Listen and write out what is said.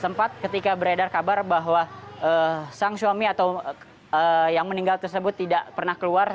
sempat ketika beredar kabar bahwa sang suami atau yang meninggal tersebut tidak pernah keluar